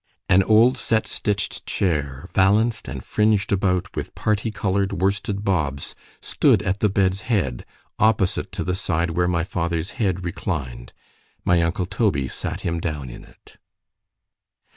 An old set stitch'd chair, valanced and fringed around with party coloured worsted bobs, stood at the bed's head, opposite to the side where my father's head reclined.—My uncle Toby sat him down in it.